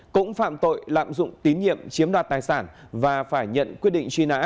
cũng phạm tội lạm dụng tín nhiệm chiếm đoạt tài sản và phải nhận quyết định truy nã